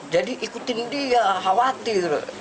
jadi ikutin dia khawatir